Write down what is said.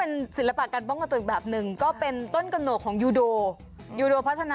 ออกไปใช้ถึงที่จริงด้วยนะในชีวิตประจำวัน